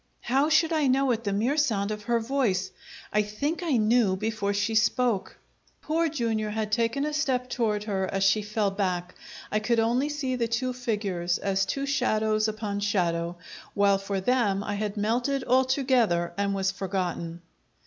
How should I know at the mere sound of her voice? I think I knew before she spoke! Poor Jr. had taken a step toward her as she fell back; I could only see the two figures as two shadows upon shadow, while for them I had melted altogether and was forgotten.